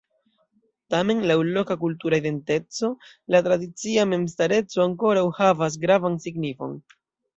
Tamen laŭ loka kultura identeco la tradicia memstareco ankoraŭ havas gravan signifon.